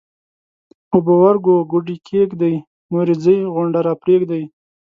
اوبه ورګو ګوډي کښېږدئ ـ نورې ځئ غونډه راپرېږدئ